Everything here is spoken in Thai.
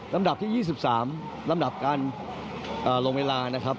ลำดับที่๒๓ลำดับการลงเวลา